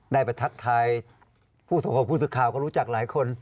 ได้ไปทักทายผู้ส่งกับผู้สื่อข่าวก็รู้จักหลายคน